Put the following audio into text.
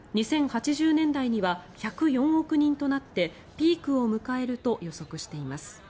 ２０８０年代には１０４億人となってピークを迎えると予測しています。